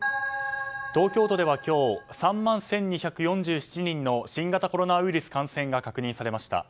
東京都では今日３万１２４７人の新型コロナウイルス感染が確認されました。